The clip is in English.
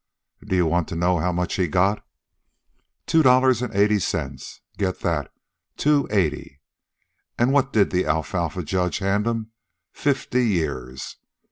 Do you want to know how much he got? Two dollars and eighty cents. Get that? Two eighty. And what did the alfalfa judge hand'm? Fifty years.